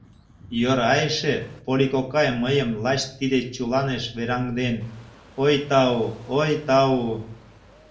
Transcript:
Йӧра эше Полли кокай мыйым лач тиде чуланеш вераҥден, ой, тау, ой, тау!